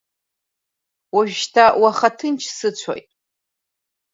Уажәшьҭа уаха ҭынч сыцәоит.